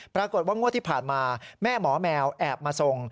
ปรากฏว่างวดที่ผ่านมาแม่หมอแมวแอบมาทรง